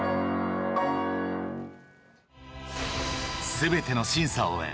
全ての審査を終え